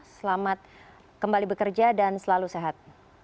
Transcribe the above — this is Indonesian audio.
selamat kembali bekerja dan selalu sehat